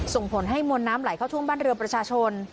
ส่งผลให้มวลน้ำไหลเข้าท่วมบ้านเรือประชาชน